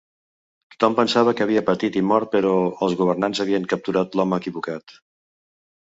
Tothom pensava que havia patit i mort, però els governants havia capturat l'home equivocat.